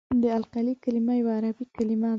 د القلي کلمه یوه عربي کلمه ده.